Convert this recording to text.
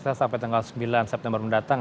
selesai sampai tanggal sembilan september mendatang